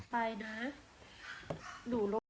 ไปนะ